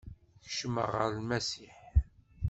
Kecmeɣ ɣer Lmasiḥ.